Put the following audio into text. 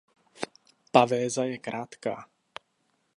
Pavéza je krátká.